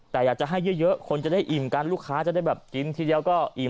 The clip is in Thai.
แต่อยากจะให้เยอะคนจะได้อิ่มกันลูกค้าจะได้แบบกินทีเดียวก็อิ่ม